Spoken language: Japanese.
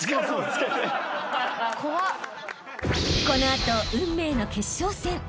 ［この後運命の決勝戦］